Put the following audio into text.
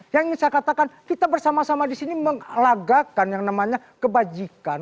yang ingin saya katakan kita bersama sama di sini lagakan yang namanya kebajikan